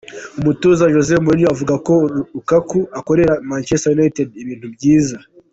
Umutoza Jose Mourinho avuga ko Lukaku akorera Manchester United ibintu byiza.